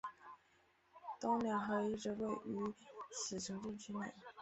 东两河遗址位于此行政区内。